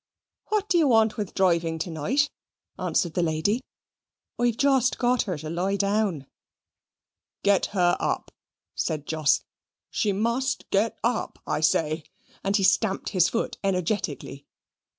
"What do you want with driving to night?" answered the lady. "Isn't she better on her bed? I've just got her to lie down." "Get her up," said Jos; "she must get up, I say": and he stamped his foot energetically.